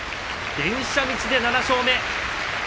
電車道で７勝目。